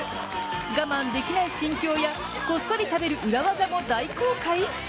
我慢できない心境やこっそり食べる裏技も大公開！？